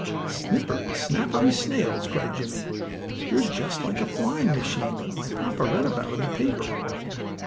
"Snippery, snappery snails!" cried Jimmie, "you're just like a flying machine that my papa read about in the paper."